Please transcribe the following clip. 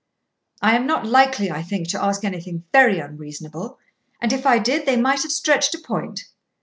I am not likely, I think, to ask anything very unreasonable, and if I did, they might have stretched a point.